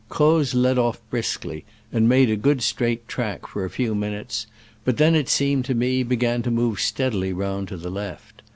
Croz led off briskly, and made a good straight track for a few minutes, but then, it seemed to me, be gan to move steadily round to the left.